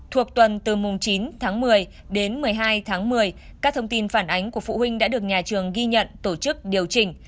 thuộc tuần từ mùng chín tháng một mươi đến một mươi hai tháng một mươi các thông tin phản ánh của phụ huynh đã được nhà trường ghi nhận tổ chức điều chỉnh